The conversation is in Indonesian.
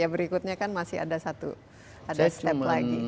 berikutnya kan masih ada step lagi